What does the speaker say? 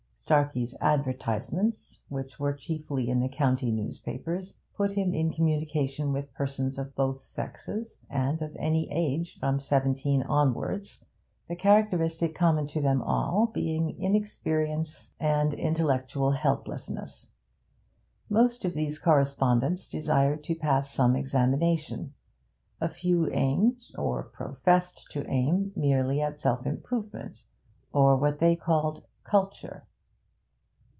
Starkey's advertisements, which were chiefly in the country newspapers, put him in communication with persons of both sexes, and of any age from seventeen onwards, the characteristic common to them all being inexperience and intellectual helplessness. Most of these correspondents desired to pass some examination; a few aimed or professed to aim merely at self improvement, or what they called 'culture.'